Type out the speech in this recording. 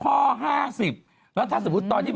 แล้วถ้าตอนที่มันเฟี้ยว